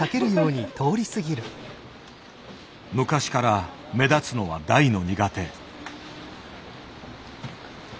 昔から目立つのは大の苦手。